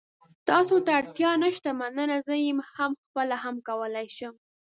تاسو ته اړتیا نشته، مننه. زه یې خپله هم کولای شم.